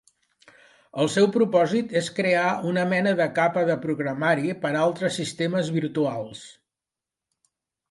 El seu propòsit és crear una mena de capa de programari per altres sistemes virtuals.